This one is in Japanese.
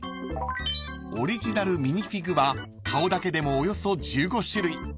［オリジナルミニフィグは顔だけでもおよそ１５種類］